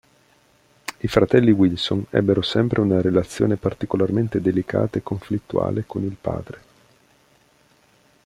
I fratelli Wilson ebbero sempre una relazione particolarmente delicata e conflittuale con il padre.